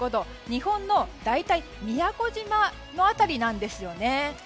日本の大体宮古島の辺りです。